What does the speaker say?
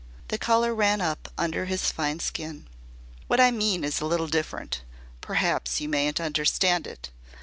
The colour ran up under his fine skin. "What I mean is a little different. Perhaps you mayn't understand it.